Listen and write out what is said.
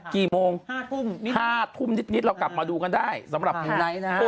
กี่โมง๕ทุ่ม๕ทุ่มนิดเรากลับมาดูกันได้สำหรับมูไนท์นะฮะ